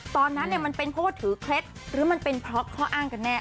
ตอนนั้นมันเป็นเพราะว่าถือเคล็ดหรือมันเป็นเพราะข้ออ้างกันแน่